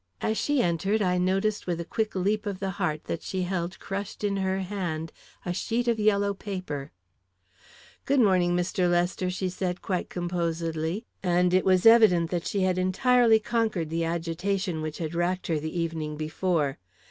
As she entered, I noticed with a quick leap of the heart that she held crushed in her hand a sheet of yellow paper. "Good morning, Mr. Lester," she said, quite composedly, and it was evident that she had entirely conquered the agitation which had racked her the evening before.